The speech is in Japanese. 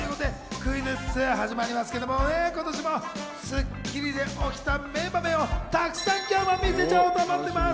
クイズッス始まりますけれども、今年も『スッキリ』で起きた名場面をたくさん見せちゃおうと思います。